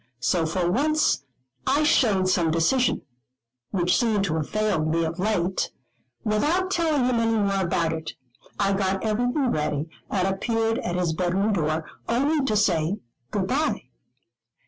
So for once I showed some decision which seemed to have failed me of late without telling him any more about it, I got everything ready, and appeared at his bedroom door, only to say "Good bye."